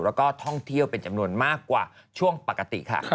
แล้วก็ท่องเที่ยวเป็นจำนวนมากกว่าช่วงปกติค่ะ